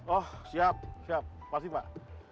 oh siap siap pasti pak